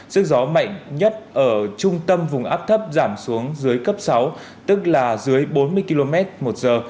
sức gió mạnh nhất ở trung tâm vùng áp thấp giảm xuống dưới cấp sáu tức là dưới bốn mươi km một giờ